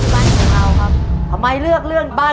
ขอบคุณค่ะ